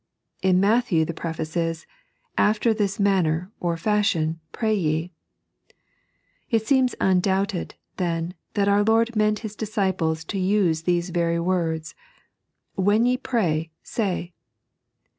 In Matthew the preface is, " After this manner, or fashion, pray ye." It seems undoubted, then, that our Lord meant His disciples to use these very words. " fTAem ye pray, say."